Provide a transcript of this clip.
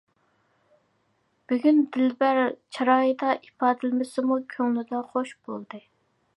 -بۈگۈن-دىلبەر چىرايىدا ئىپادىلىمىسىمۇ كۆڭلىدە خۇش بولدى.